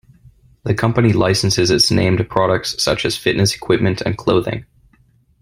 The company licenses its name to products such as fitness equipment and clothing.